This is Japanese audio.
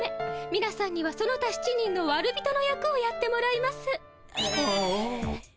みなさんにはその他７人のわる人の役をやってもらいます。